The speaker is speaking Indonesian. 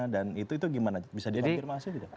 dan itu gimana bisa ditampilin mas freddy